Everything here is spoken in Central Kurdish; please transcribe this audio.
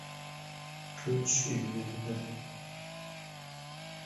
هەموو شتێکمان پێ بڵێ کە دەربارەی کێشەکە دەیزانیت.